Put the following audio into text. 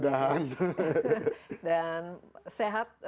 dan sehat selalu dan selamat